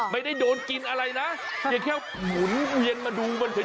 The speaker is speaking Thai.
ไม่ได้โดนกินอะไรนะเพียงแค่หมุนเวียนมาดูมันเฉย